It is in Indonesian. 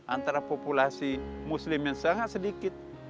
antara populasi muslim yang sangat sedikit